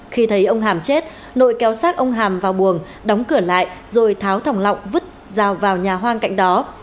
khi thấy ông hàm chết nội kéo xác ông hàm vào buồng đóng cửa lại rồi tháo thòng lọng vứt vào nhà hoang cạnh đó